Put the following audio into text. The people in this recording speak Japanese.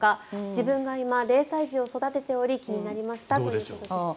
自分が今、０歳児を育てており気になりましたということです。